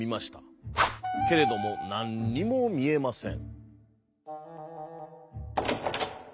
けれどもなんにもみえません。